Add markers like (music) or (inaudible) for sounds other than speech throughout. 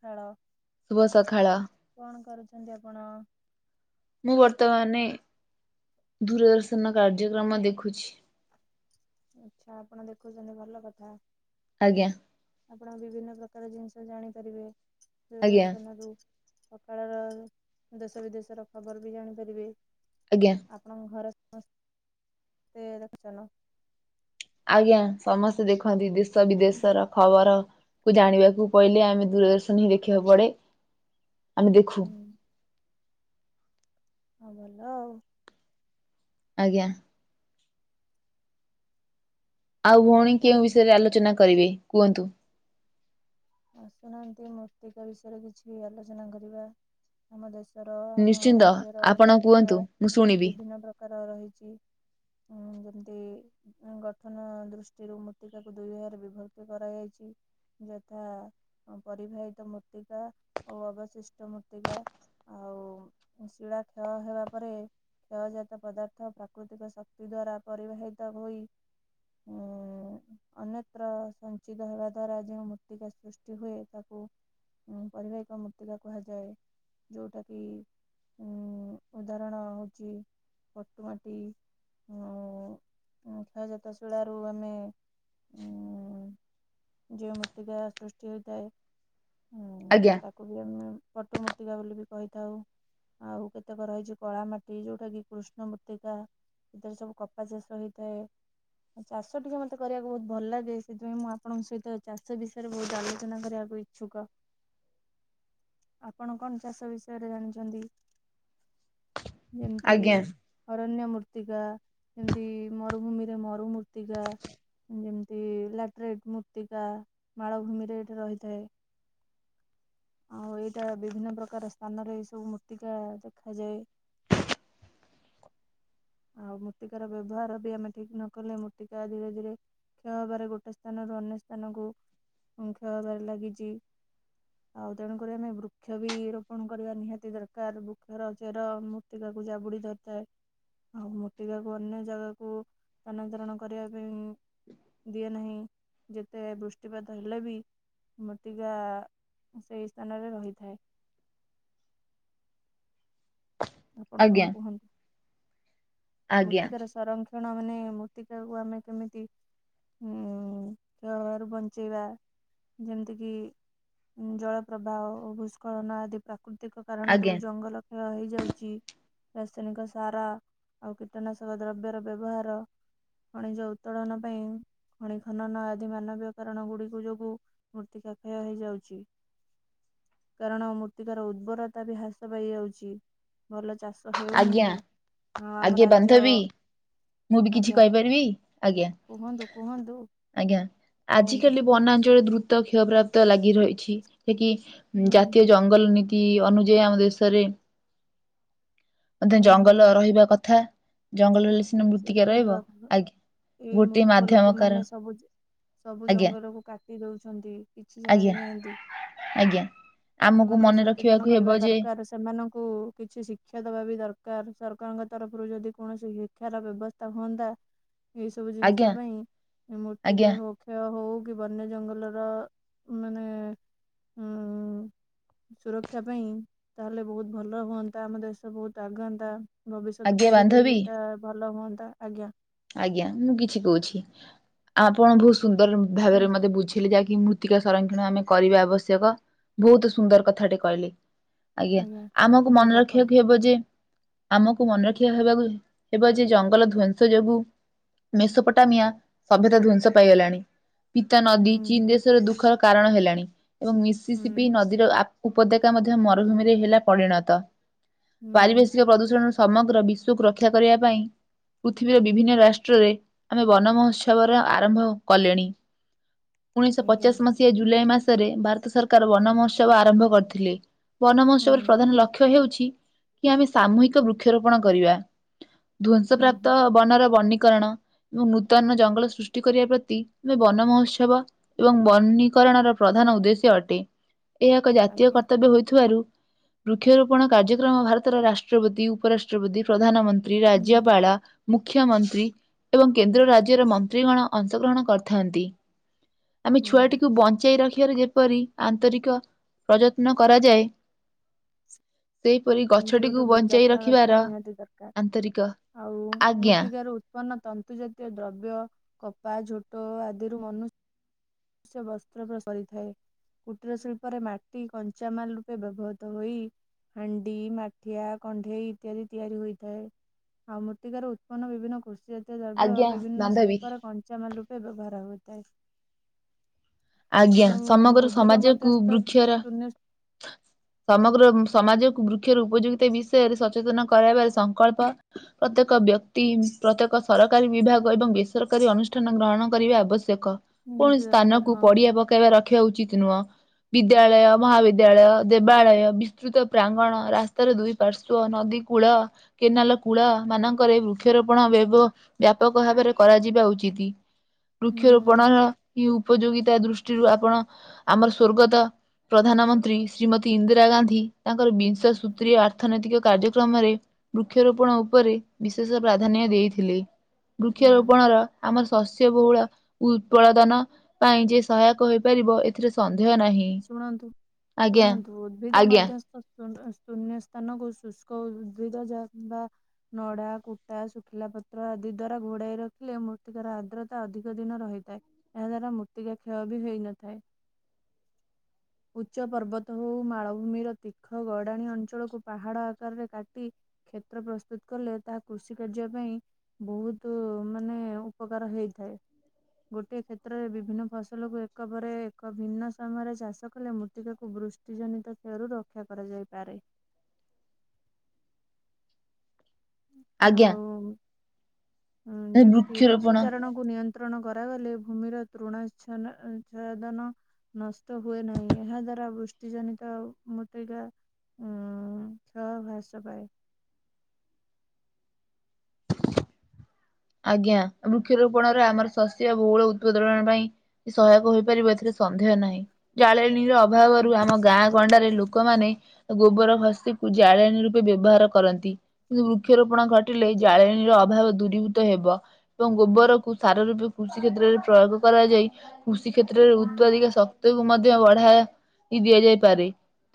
ଖେଳ ଶୁଭ ସଖାଳ। କରୁଛନ୍ତି ଆପଣ? ମୁଁ ବର୍ତ୍ତମାନେ ଦୂରଦର୍ଶନ କାର୍ଯ୍ୟକ୍ରମ ଦେଖୁଛି। ଆଚ୍ଛା ଆପଣ ଦେଖୁଚନ୍ତି ଭଲ କଥା। ଆଜ୍ଞା। ଆପଣ ବିଭିନ୍ନ ପ୍ରକାର ଜିନିଷ ଜାଣିପାରିବେ ଆଜ୍ଞା ଦୂରଦର୍ଶନରୁୁ। ସକାଳର ଦେଶ ବିଦେଶର ଖବର ବି ଜାଣିପାରିବେ। ଆଜ୍ଞା। ଆପଣଙ୍କ ଘର ସମସ୍ତେ ଦେଖୁଛନ? ଆଜ୍ଞା ସମସ୍ତେ ଦେଖନ୍ତି ଦେଶ ବିଦେଶର ଖବର। କୁ ଜାଣିବାକୁ ପଇଲେ ଆମେ ଦୂରଦର୍ଶନ ହିଁ ଦେଖିବାକୁ ପଡେ। ଆମେ ଦେଖୁ। ହୁଁ ହଁ ଭଲ ଆଉ। ଆଜ୍ଞା। ଆଉ ଭଉଣୀ କଣ କେଉଁ କୁହ ବିଷୟରେ ଆଲୋଚନା କରିବେ କୁହନ୍ତୁ? ଆସୁ ନାହାନ୍ତି ମର୍ତ୍ତିକା ବିଷୟରେ କିଛି ଆଲୋଚନା କରିବା। ଆମ ଦେଶର ଆମ ନିଶ୍ଚିନ୍ତ ରାଜ୍ୟର ଆପଣ କୁହନ୍ତୁ ମୂର୍ତ୍ତିକା ମୁଁ ଶୁଣିବି ବିଭିନ୍ନ ପ୍ରକାର ରହିଚି। ହଁ ଯେମତି ଗଠନ ଦୃଷ୍ଟିରୁ ମୃତ୍ତିକାକୁ ଦୁଇ ଭାଗରେ ବିଭକ୍ତି କରାଯାଇଛି। ଯ ଥା ଅଁ, ପରିବାହିତ ମୃର୍ତ୍ତିକା ଓ ଅବଶିଷ୍ଟ ମୂର୍ତ୍ତିକା। ଆଉ ଶିଳା କ୍ଷୟ ହେବା ପରେ କ୍ଷୟଜାତ ପଦାର୍ଥ ପ୍ରାକୃତିକ ଶକ୍ତି ଦ୍ଵାରା ପରିବାହିତ ହୋଇ ଉଁ, ଅନ୍ୟତ୍ର ସଞ୍ଚିତ ହେବା ଦ୍ଵାରା ଯେଉଁ ତିକା ସୃଷ୍ଟି ହୁଏ ତାକୁ ଉଁ, ପରିବାହିକ ମୂର୍ତ୍ତିକା କୁହାଯାଏ ଯୋଉଟା କି ଉଁ, ଉଦାହରଣ ହଉଚି ପଟୁ ମାଟି। ଅଁ, ଅଁ, କ୍ଷୟଜାତ ଶିଳାରୁ ଆମେ ଉଁ, ଯେଉଁ ମୂର୍ତ୍ତିକା ସୃଷ୍ଟି ହୋଇଥାଏ ହୁଁ ଆଜ୍ଞା। ତାକୁ ବି ଆମେ ପଟୁ ମୂର୍ତ୍ତିକା ବୋଲି ବି କହିଥାଉ। ଆଉ କେତେକ ରହିଚି କଳା ମାଟି ଯୋଉଟା କି କୃଷ୍ଣ ମୂର୍ତ୍ତିକା। ଏଥିରେ ସବୁ କପା ଚାଷ ହେଇଥାଏ। ଚାଷ ଟିକେ ମତେ କରିବାକୁ ବହୁତ ଭଲ ଲାଗେ ସେଥିପାଇଁ ମୁଁ ଆପଣଙ୍କ ସହିତ ଚାଷ ସେ ବିଷୟରେ ବହୁତ ଆଲୋଚନା କରିବାକୁ ଇଚ୍ଛୁକ। ଆପଣ କଣ ଚାଷ ବିଷୟରେ ଜାଣିଛନ୍ତି? ଯେମିତି ଆଜ୍ଞା ଅରଣ୍ୟ ମୂର୍ତ୍ତିକା ଏମତି ମରୁଭୂମିରେ ମରୁ ମୂର୍ତ୍ତିକା। ଯେମିତି ଲାଟରେଟ୍ ମୂର୍ତ୍ତିକା ମାଳଭୂମି ରେ ଏଇଠି ରହିଥାଏ। ଆଉ ଏଇଟା ବିଭିନ୍ନ ପ୍ରକାର ସ୍ଥାନରେ ଏଇ ସବୁ ମୂର୍ତ୍ତିକା ଦେଖାଯାଏ। ଆଉ ମୂର୍ତ୍ତିକାର ବ୍ୟବହାର ବି ଆମେ ଠିକ ନକଲେ ମୃତ୍ତିକା ଧୀରେ ଧୀରେ କ୍ଷୟ ହବାରେ ଗୋଟେ ସ୍ଥାନରୁ ଅନ୍ୟ ସ୍ଥାନକୁ ଅଁ, କ୍ଷୟ ହବାରେ ଲାଗିଚି। ଆଉ ତେଣୁକରି ଆମେ ବୃକ୍ଷ ବି ରୋପଣ କରିବା ନିହାତି ଦରକାର। ବୃକ୍ଷର ଚେର ମୁ ତିକା କୁ ଜାବୁଡି ଧରିଥାଏ। ଆଉ ମୃର୍ତିକାକୁ ଅନ୍ୟ ଜାଗାକୁ ସ୍ଥାନାନ୍ତରଣ କରିବା ପାଇଁ ଦିଏ ନାହିଁ। ଯେତେ ବୃଷ୍ଟିପାତ ହେଲେ ବି ମୃତ୍ତିକା ସେଇ ସ୍ଥାନରେ ରହିଥାଏ। ଆପଣ ଆଜ୍ଞା କଣ କୁହନ୍ତୁ ଆଜ୍ଞା ମୃତ୍ତିକାର ସଂରକ୍ଷ ନାଇଁ ମାନେ ମୃତ୍ତିକାକୁ ଆମେ କେମିତି ହଁ କ୍ଷୟହାବାରୁ ବଞ୍ଚେଇବା ଯେମିତିକି ଜଳ ପ୍ରବାହ ଭୂସ୍କଳନ ଆଦି ପ୍ରାକୃତିକ କାରଣରୁ ଆଜ୍ଞା ଜଙ୍ଗଲ କ୍ଷୟ ହେଇଯାଉଛି। ରାସାୟନିକ ସାର ଆଉ କୀଟନାଶକ ଦ୍ରବ୍ୟର ବ୍ୟବହାର। ଖଣିଜ ଉତ୍ତୋଳନ ପାଇଁ। ଖଣି ଖନନ ଆଦି ମାନବୀୟ କାରଣ ଗୁଡିକ ଯୋଗୁ ମୂର୍ତ୍ତିକାକ୍ଷୟ ହେଇଯାଉଛି। କାରଣ ମୃତ୍ତିକାର ଉର୍ବରତା ବି ହ୍ରାସ ପାଇଯାଉଛି। ଭଲ ଚାଷ ଆଜ୍ଞା ହେଉନାହିଁ ହଁ ଆମ ଆଜ୍ଞା ରାଜ୍ୟ। ବାନ୍ଧବୀ ମୁଁ ବି କିଛି ଆଜ୍ଞା କହିପାରିବି ଆଜ୍ଞା କୁହନ୍ତୁ କୁହନ୍ତୁ ଆଜ୍ଞା। କୁହନ୍ତୁ। ଆଜିକାଲି ବନାଞ୍ଚଳରେ ଦୃତ କ୍ଷ୍ୟପ୍ରାପ୍ତ ଲାଗି ରହିଛି ସେକି ହୁଁ ଜାତୀୟ ଜ ଜଙ୍ଗଲ ନୀତି ଅନୁଯାୟୀ ଆମ ଦେଶରେ। ଅଧେ ହୁଁ ଜଙ୍ଗଲ ହୁଁ। ରହିବା କଥା ଜଙ୍ଗଲ ରହିଲେ ସିନା ମୃତ୍ତିକା ସେଥିରେ ରହିବ ଆଜ୍ଞା। ଏଇ ଗୋଟେ ମୂର୍ଖ ମାଧ୍ୟମ କାର ଲୋକମାନେ ସବୁ ସବୁ ଆଜ୍ଞା ଜଙ୍ଗଲକୁ କାଟି ଦଉଛନ୍ତି। କିଛି ଆଜ୍ଞା ଜାଣିନାହାନ୍ତି ଆଜ୍ଞା। ଆମକୁ ସେମାନଙ୍କୁ ମନେ ରଖିବାକୁ ସଚେତନ ହେବ କରିବା ଯେ ଦରକାର। ସେମାନଙ୍କୁ କିଛି ଶିକ୍ଷା ଦବା ବି ଦରକାର ସରକାରଙ୍କ ତରଫରୁ ଯଦି କୌଣସି ଶିକ୍ଷାର ବ୍ୟବସ୍ଥା ହୁଅନ୍ତା ଏଇ ସବୁ ଆଜ୍ଞା ଜିନିଷ ପାଇଁ ଆଜ୍ଞା ମୃତ୍ତିକା ହୋ କ୍ଷୟ ହଉ କି ବନ୍ୟ ଜଙ୍ଗଲର ମାନେ ଉଁ ହୁଁ। ସୁରକ୍ଷା ପାଇଁ ତାହେଲେ ବହୁତ ଭଲ ହୁଅନ୍ତା ଆମ ଦେଶ ବହୁତ ଆଗନ୍ତା। ଭବିଷ୍ୟତ ଆଜ୍ଞା ପିଢି ପାଇଁ ବାନ୍ଧବୀ ଏଇଟା ଭଲ ହୁଅନ୍ତା ଆଜ୍ଞା। ଆଜ୍ଞା ମୁଁ କିଛି କହୁଛି ଆପଣ ବହୁତ ସୁନ୍ଦର ଭାବରେ କୁହନ୍ତୁ ମତେ ବୁଝି ଯାଇକି ମୃତ୍ତିକା ସଂରକ୍ଷଣ ଆମେ କରିବା ଆବଶ୍ୟକ ବହୁତ ସୁନ୍ଦର କଥାଟେ କହିଲେ। ଆଜ୍ଞା ଆମକୁ ମନେ କୁହନ୍ତୁ ଆପଣ ରଖିବାକୁ ହେବ ଯେ। ଆମକୁ ମନେ ରଖିବା ହେବାକୁ ହେବ ଯେ ଜଙ୍ଗଲ ଧ୍ଵଂସ ଯୋଗୁ। ମେସୋପୋଟାମିଆ ସଭ୍ୟତା ଧ୍ଵଂସ ପାଇଗଲାଣି ପିତା ନଦୀ ହୁଁ ଚୀନରେ ସେରା ଦୁଃଖର କାରଣ ହେଲାଣି ଏବଂ ମିଶି ହୁଁ ସିିପି ନଦୀ। ନଦୀ ଉପତ୍ୟକା ମଧ୍ୟ ମରୁଭୂମିରେ ହେଲା ପରିଣତ ହୁଁ ପାରିବେଶିକ ପ୍ରଦୂଷଣ ସମଗ୍ର ବିଶ୍ଵକୁ ରକ୍ଷା କରିବା ପାଇଁ ପୃଥିବୀର ବିପ ବିଭିନ୍ନ ରାଷ୍ଟ୍ରରେ ଆମେ ବନ ମହୋତ୍ସବର ଆରମ୍ଭ କଲେଣି। ଉଣେଇଶହ ଆଜ୍ଞା ପଚାଶ ମସିହା ଜୁଲାଇ ମାସରେ ଭାରତ ସରକାର ବନ ମହୋତ୍ସବ ଆରମ୍ଭ କରିଥିଲେ। ବନ ହୁଁ ମହୋତ୍ସବର ପ୍ରଧାନ ଲକ୍ଷ୍ୟ ହେଉଛି କି ଆମେ ସାମୋହିକ ବୃକ୍ଷରୋପଣ କରିବା। ଧ୍ଵଂସ ହୁଁ ହୁଁ ପ୍ରାପ୍ତ ବନର ବନିକରନ। ଏବଂ ନୂତନ ଜଙ୍ଗଲ ସୃଷ୍ଟି କରିବା ପ୍ରତି ଆମେ ବନ ମହୋତ୍ସବ ଏବଂ ବନୀକରଣର ପ୍ରଧାନ ଉଦେଶ୍ୟ ଅଟେ। ଏହା ଏକ ଜାତୀୟ ଆଜ୍ଞା କର୍ତ୍ତବ୍ୟ ହୋଇଥିବାରୁ ବୃକ୍ଷରୋପଣ କାର୍ଯ୍ୟକ୍ରମ ଭାରତର ରାଷ୍ଟ୍ରପତି ଉପରାଷ୍ଟ ରାଷ୍ଟ୍ରପତି ପ୍ରଧାନମନ୍ତ୍ରୀ ହୁଁ ରାଜ୍ୟପାଳ ମୁଖ୍ୟମନ୍ତ୍ରୀ ଏବଂ କେନ୍ଦ୍ର ରାଜ୍ୟର ମନ୍ତ୍ରୀଗଣ ଅଂଶଗ୍ରହଣ କରିଥାନ୍ତି। ଆମେ ହୁଁ ଛୁଆଟିକୁ ବଞ୍ଚେଇ ରଖିବାର ଯେପରି ଆନ୍ତରିକ ପ୍ରଯତ୍ନ କରାଯାଏ। ସେହିପରି ସେମିତି ଗଛଟିକୁ ଗୋଟେ ବ- ବଞ୍ଚେଇ ଯତ୍ନ ରଖିବା ରଖିବାର ନିହାତି ଦରକାର ଆନ୍ତରିକ। ଆଉ ଆଜ୍ଞା, ମୃତ୍ତିକାର ଉ ଉତ୍ପନ ତନ୍ତୁ ଜାତୀୟ ଦ୍ରବ୍ୟ କପା ଝୋଟ ଆଦିରୁ ମନୁ ସେ ବସ୍ତ୍ର ପ୍ରସାରିଥାଏ। କୁଟୀର ଶିଳ୍ପରେ ମାଟି କଞ୍ଚାମାଲ ରୂପେ ବ୍ୟବହୃତ ହୋଇ। ହାଣ୍ଡି ମାଠିଆ କଣ୍ଢେଇ ଇତ୍ୟାଦି ତିଆରି ହୋଇଥାଏ। ଆଉ ମୃତ୍ତିକାରୁ ଉତ୍ପନ୍ନ ବିଭିନ୍ନ କୃଷି ଯାତ୍ୟ ଦ୍ରବ୍ୟ ଆଜ୍ଞା ବିଭିନ୍ନ ବାନ୍ଧବୀ। ଶିଳ୍ପର କଞ୍ଚାମାଲ ରୂପେ ବ୍ୟବହାର ହୋଇଥାଏ। ଆଜ୍ଞା ଆଉ ସମଗ୍ର ଉଦ୍ଭିଦ ସମାଜକୁ ମଧ୍ୟସ୍ଥ ବୃକ୍ଷର ଶୂନ୍ୟ (inaudible) ସମଗ୍ର ସମାଜକୁ ବୃକ୍ଷର ଉପଯୋଗିତା ବିଷୟରେ ସଚେତନ କରାଇବାରେ ସଂକଳ୍ପ ପ୍ରତ୍ୟେକ ବ୍ୟକ୍ତି ପ୍ରତ୍ୟେକ ସରକାରୀ ବିଭାଗ ଏବଂ ବେସରକାରୀ ଅନୁଷ୍ଠାନ ଗ୍ରହଣ କରିବା ଆବଶ୍ୟକ ନିହାତି କୌଣସି ଦରକାର ସ୍ଥାନକୁ ହଁ ପଡିଆ ପକେଇବା ରଖିବା ଉଚିତ ନୁହଁ ବିଦ୍ୟାଳୟ ମହାବିଦ୍ ବିଦ୍ୟାଳୟ ଦେବାଳୟ ବିସ୍ତୃତ ପ୍ରାଙ୍ଗଣ ରାସ୍ତାର ଦୁଇ ପାର୍ଶ୍ଵ ନଦୀ କୂଳ କେନାଲ କୂଳ ମାନଙ୍କରେ ବୃକ୍ଷରୋପଣ ବ୍ୟବ ବ୍ୟାପକ ଭାବରେ କରାଯିବା ଉଚିତ ହୁଁ ବୃକ୍ଷରୋପଣର ଏ ଉପଯୋଗିତା ଦୃଷ୍ଟିରୁ ଆପଣ ଆମର ସ୍ଵର୍ଗତ ପ୍ରଧାନମନ ତ୍ରି ଶ୍ରୀମତୀ ଇନ୍ଦିରା ଗାନ୍ଧୀ ତାଙ୍କର ବିଂଶ ସୂତ୍ରୀୟ ଆର୍ଥନୈତିକ କାର୍ଯ୍ୟକ୍ରମରେ ବୃକ୍ଷରୋପଣ ଉପରେ ବିଶେଷ ପ୍ରାଧାନ୍ୟ ଦେଇଥିଲେ ହୁଁ ବୃକ୍ଷରୋପଣର ଆମର ଶସ୍ୟ ବହୁଳ ଉତ୍ପଳଦନ ପାଇଁ ଯେ ସହାୟକ ହୋଇପାରିବ ଏଥିରେ ସନ୍ଦେହ ନାହିଁ। ଶୁଣନ୍ତୁ ଆଜ୍ଞା, ଶୁଣନ୍ତୁ ଉଦ୍ଭିଦ ଆଜ୍ଞା, ମଧ୍ୟସ୍ଥ ତୁଣ୍ଡ ସ୍ତୁନ୍ୟ ସ୍ତାନକୁ ଶୁଷ୍କ ଉଦ୍‌ଭିଦ ଯା ବା ନଡ଼ା କୁଟା ଶୁଖିଲା ପତ୍ର ଆଦି ଦ୍ଵାରା ଘୋଡ଼ାଇ ରଖିଲେ ମୃର୍ତିକର ଆର୍ଦ୍ରତା ଅଧିକ ଦିନ ରହିଥାଏ। ଏହା ଦ୍ଵାରା ମୃତ୍ତିକା କ୍ଷୟ ବି ହେଇନଥାଏ ଉଚ୍ଚ ପର୍ବତ ହଉ ମାଳଭୂମିର ତୀର୍ଖ ଗଡ଼ାଣିଆ ଅଞ୍ଚଳକୁ ପାହାଡ ଆକାରରେ କାଟି କ୍ଷେତ୍ର ପ୍ରସ୍ତୁତ କଲେ ତାହା କୃଷି କାର୍ଯ୍ୟ ପାଇଁ ବୋହୁତ ମାନେ ଉପକାର ହେଇଥାଏ। ଗୋଟିଏ କ୍ଷେତ୍ରରେ ବିଭିନ୍ନ ଫସଲକୁ ଏକ ପରେ ଏକ ଭିନ୍ନ ଠିକ୍ ସମୟରେ ଚାଷ କଲେ ମୃତ୍ତିକାକୁ ବୃଷ୍ଟିଜନିତ କ୍ଷୟରୁ ରକ୍ଷା କରାଯାଇପାରେ। ହୁଁ (inaudible) ଆଜ୍ଞା। ଓ ହଁ ଯେମତି ବୃକ୍ଷରୋପଣ ପଶୁଚାରଣ କୁ ନିୟନ୍ତ୍ରଣ କରାଗଲେ ଭୂମିର ତୃଣାଛନ୍ ଛଦନ ନଷ୍ଟ ହୁଏ ନାହିଁ ଏହା ଦ୍ଵାରା ବୃଷ୍ଟି ଜନିତ ମୃତ୍ତିକା ଉଁ ଉଞ୍ଚ ଭାଷ ପାଏ। ଆଜ୍ଞା ବୃକ୍ଷରୋପଣରେ ଆମର ଶସ୍ୟ ବୋହୁଳ ଉତ୍ପଦଳନ ପାଇଁ ସହାୟକ ହୋଇପାରିବ ଏଥିରେ ସନ୍ଦେହ ନାହିଁ ଜାଳେଣୀର ଅଭାବରୁ ଆଜ୍ଞା। ଆମ ଗାଁ ଗଣ୍ଡାରେ ଲୋକ। ଲୋକମାନେ ଗୋବର ଘସିକୁ ଜାଳେଣୀ ରୂପେ ବ୍ୟବହାର କରନ୍ତି। କୁ ବୃକ୍ଷରୋପଣ ଘଟିଲେ ଜାଳେଣୀର ଅଭାବ ଦୂରୀଭୂତ୍ କୃତ ହେବ ଏବଂ ଗୋବରକୁ ସାର ରୂପେ କୃଷି କ୍ଷେତ୍ରରେ ପ୍ରୟୋଗ କରାଯାଇ କୃଷି କ୍ଷେତ୍ରରେ ହୁଁ ଉତ୍ପାଦିକ ଶକ୍ତିକୁ ମଧ୍ୟ ବଢାଇ ଦିଆଯାଇପାରେ।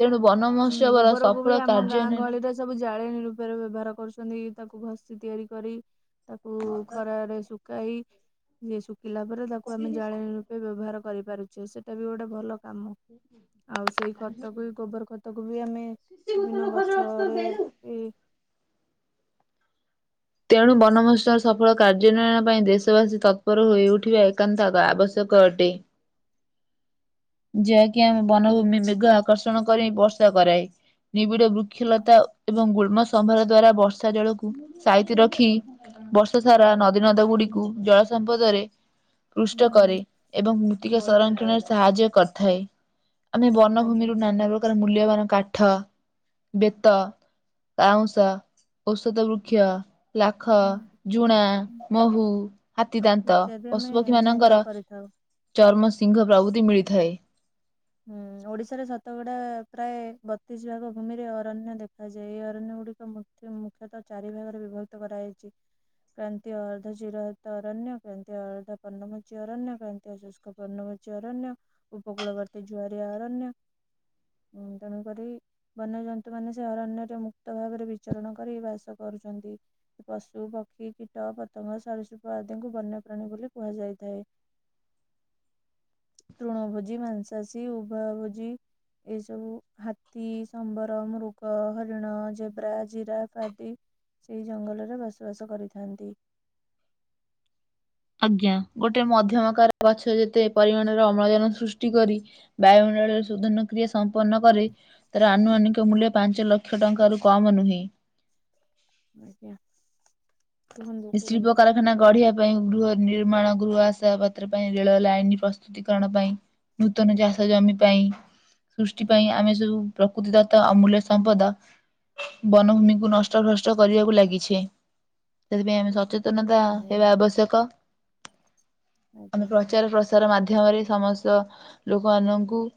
ତେଣୁ ବନ ହୁଁ ମହୋତ୍ସବର ଗୋବରକୁ ବି ସଫଳ ଆମ କାର୍ଯ୍ ଗାଁ ଉନ୍ନୟନ ଗହଳିରେ ସବୁ ଜାଳେଣୀ ରୂପରେ ବ୍ୟବହାର କରୁଛନ୍ତି ତାକୁ ଘଷି ତିଆରି କରି ତାକୁ ଖରାରେ ଶୁଖାଇ ଶୁଖିଲା ପରେ ତାକୁ ଆମେ ଜାଳେଣି ରୁ ବେ ବ୍ୟବହାର କରିପାରୁଛେ ସେଇଟା ବି ଗୋଟେ ଭଲ କାମ ଆଉ ସେଇ ଖତକୁ ଗୋବର ଖତ ତାକୁ ବି ଆମେ ବିଭିନ୍ନ ଗଛରେ ବି ତେଣୁ ବନମହତ୍ସର ସଫଳ କାର୍ଯଉନ୍ୱୟନ ପାଇଁ ଦେଶବାସୀ ତତ୍ପର ହୋଇଉଠିବା ଏକାନ୍ତ ଆବଶ୍ୟକ ଅଟେ। (inaudible) ଯାହାକି ଆମେ ବନଭୂମି ମେଘ ଆକର୍ଷଣ କରି ବର୍ଷା କରାଏ ନିବିଡ ବୃ ବୃକ୍ଷ୍ୟଲତା ଏବଂ ଗୁଳ୍ମ ସମ୍ଭାର ଦ୍ଵାରା ବର୍ଷା ଜଳକୁ ସାଇତି ରଖି ବର୍ଷ ସାରା ନଦୀ ନଦ ଗୁଡ଼ିକୁ ଜଳ ସମ୍ପଦରେ ପୃଷ୍ଟ କରେ ଏବଂ ମୃତ୍ତିକା ସଂରକ୍ଷଣରେ ସାହାଯ୍ୟ କରିଥାଏ। ଆମେ ବନଭୂମି ଆଜ୍ଞା। ରୁ ନାନା ର ଙ୍କର୍ ମୂଲ୍ୟବାନ କାଠ ବେତ ବାଉଁଶ ଔଷଧ ବୃ ବୃକ୍ଷ୍ୟ, ଲାଖ, ଉଁ ଝୁଣା, ମହୁ ହାତୀ ଦାନ୍ତ ଇତ୍ୟାଦି ଆମେ ପଶୁପକ୍ଷୀ ସଂଗ୍ରହ ମାନଙ୍କର କରିଥାଉ। ଚର୍ମ ସିଂହ ପ୍ରଭୃତି ମିଳିଥାଏ। ହୁଁ ଓଡିଶାରେ ଶତକଡା ପ୍ରାୟ ବତିଶ ଭାଗ ଭୂମିରେ ଅରଣ୍ୟ ଦେଖାଯାଏ ଏଇ ଅରଣ୍ୟ ଗୁଡିକ ମୁଁ ଏ ମୁଖ୍ୟତଃ ଚାରି ଭାଗରେ ବିଭକ୍ତ କରାଯାଇଛି। କ୍ରାନ୍ତୀୟ ଅର୍ଦ୍ଧ ଚିର ହରିତ୍ ଅରଣ୍ୟ କ୍ରାନ୍ତିୀୟ ଅର୍ଧ ପର୍ଣ୍ଣ ମୋଚି ଅରଣ୍ୟ କ୍ରାନ୍ତୟ ସୁଷ୍କ ପର୍ଣ୍ଣମୋଚୀ ଅରଣ୍ୟ ଉପକୂଳବର୍ତ୍ତୀ ଜ୍ୱାଆରିଆ ଅରଣ୍ୟ। ହୁଁ ତେଣୁକରି। ବନ୍ୟଜନ୍ତୁ ମାନେ ସେ ଅରଣ୍ୟରେ ମୁକ୍ତ ଭାବରେ ବିଚରଣ କରି ବାସ କରୁଛନ୍ତି। ପଶୁ, ପକ୍ଷୀ, କୀଟ, ପତଙ୍ଗ, ସରୀସୃପ ଆଦିଙ୍କୁ ବନ୍ୟପ୍ରାଣୀ ବୋଲି କୁହାଯାଇଥାଏ। ତୃଣଭୋଜି ମାଂସାଶୀ ଉଭୟଭୋଜି ଏସବୁ ହାତୀ, ସମ୍ବର, ମୃଗ, ହରିଣ, ଜେବ୍ରା, ଜିରାଫ୍ ଆଦି ସେଇ ଜଙ୍ଗଲରେ ବସବାସ କରିଥାନ୍ତି। ଆଜ୍ଞା ଗୋଟେ ମଧ୍ୟମକାର ଗଛ ଯେତେ ପରିମାଣରେ ଅମ୍ଳଜାନ ସୃଷ୍ଟି କରି। ବାୟୁମଣ୍ଡଳରେ ଶୋଧନ କ୍ରିୟା ସମ୍ପନ୍ନ କରେ। ତାର ଆନୁମାନିକ ମୂଲ୍ୟ ପାଞ୍ଚ ଲକ୍ଷ ଟଙ୍କାରୁ କମ୍ ନୁହେଁ। ଆଜ୍ଞା କୁହନ୍ତୁ ନି (inaudible) କୁହନ୍ତୁ ଶି୍ପକାର ନା ଗଢିବା ପାଇଁ ଗୃହ ନିର୍ମାଣ ଗୃହ ଆଶା ପତ୍ର ପାଇଁ ରେଳ ଲାଇନ ପ୍ରସ୍ତୁତିକରଣ ପାଇଁ। ନୂତନ ଚାଷ ଜମି ପାଇଁ ସୃଷ୍ଟି ପାଇଁ ଆମେ ସବୁ ପ୍ରକୃତି ଦତ୍ ଅମୂଲ୍ୟ ସମ୍ପଦ। ବନଭୂମିକୁ ନଷ୍ଟ ଭ୍ରଷ୍ଟ କରିବାକୁ ଲାଗିଛି। ସେଥିପାଇଁ ଆମେ ସଚେତନତା ହୁଁ ହୁଁ ହେବା ଆବଶ୍ୟକ। ଆଜ୍ଞା ଆମେ ପ୍ରଚାର ତାର ମାଧ୍ୟମରେ ସମସ୍ତ ଲୋକମାନଙ୍କୁ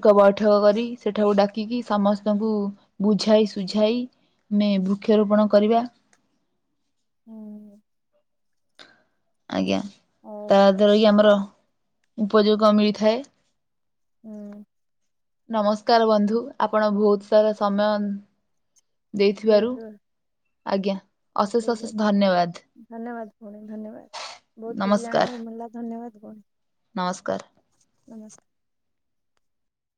ଏକ ବୈଠକ କରି ସେଠାକୁ ଡାକିକି ସମସ୍ତଙ୍କୁ ବୁଝାଇ ସୁୁଝାଇ ଆମେ ବୃକ୍ଷରୋପଣ କରିବା। ହୁଁ ଆଜ୍ଞା ହଉ ତା ଦ୍ବାରା କି ଆମର ଉପଯୋଗ ମିଳିଥାଏ। ହୁଁ ନମସ୍କାର ବନ୍ଧୁ ଆପଣ ବହୁତ ସାରା ସମୟ ଦେଇଥିବାରୁ। ଆଜ୍ଞା ହଁ ଅଶେଷ ଠିକ ଅଶେଷ ଅଛି। ଧନ୍ୟବାଦ ଧନ୍ୟବାଦ ଭଉଣୀ ଧନ୍ୟବାଦ। ବହୁତ କିଛି ନମସ୍କାର ଜାଣିବାକୁ ମଳିଲା ଧନ୍ୟବାଦ ଭଉଣୀ। ନମସ୍କାର। ନମସ୍କାର